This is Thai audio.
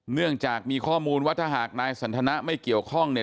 เนื่องจากมีข้อมูลว่าถ้าหากนายสันทนะไม่เกี่ยวข้องเนี่ย